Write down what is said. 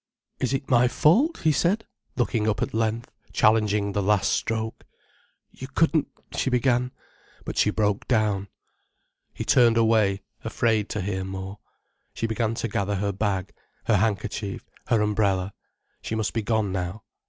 "Is it my fault?" he said, looking up at length, challenging the last stroke. "You couldn't——" she began. But she broke down. He turned away, afraid to hear more. She began to gather her bag, her handkerchief, her umbrella. She must be gone now.